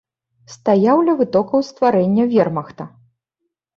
Стаяў ля вытокаў стварэння вермахта.